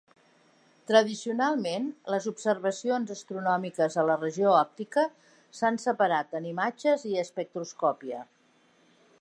Tradicionalment, les observacions astronòmiques a la regió òptica s'han separat en imatges i espectroscòpia.